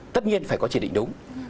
tất nhiên phải có chỉ định đúng